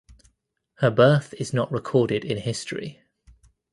Her birth is not recorded in history.